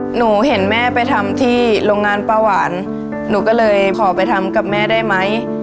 หนูเห็นแม่ไปทำที่โรงงานป้าหวานหนูก็เลยขอไปทำกับแม่ได้ไหม